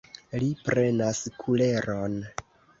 Li prenas kuleron.